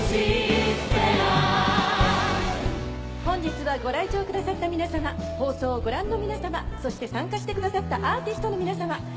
本日はご来場くださった皆さま放送をご覧の皆さまそして参加してくださったアーティストの皆さま